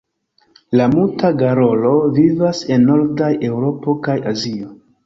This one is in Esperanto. La Muta garolo vivas en nordaj Eŭropo kaj Azio.